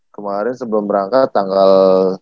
kemarin sebelum berangkat tanggal